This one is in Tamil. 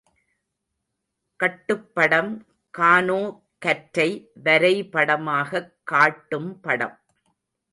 கட்டுப்படம், கானோ கற்றை வரைபடமாகக் காட்டும் படம்.